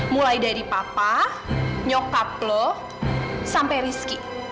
mulai dari papa nyokap lo sampai rizky